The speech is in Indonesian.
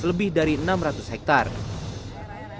lebih dari enam ratus hektare